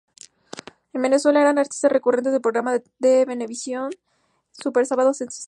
En Venezuela eran artistas recurrentes del programa de Venevisión, "Super Sábado Sensacional".